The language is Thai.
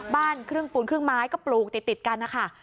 บ้านครึ่งปูนครึ่งไม้ก็ปลูกติดกันนะคะ